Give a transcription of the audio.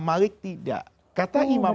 malik tidak kata imam